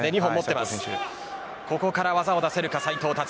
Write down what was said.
ここから技を出せるか斉藤立。